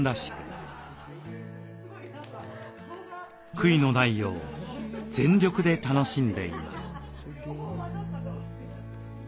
悔いのないよう全力で楽しんでいます。